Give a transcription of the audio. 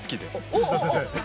藤田先生。